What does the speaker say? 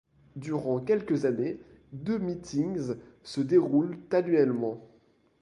Durant quelques années, deux meetings se déroulent annuellement.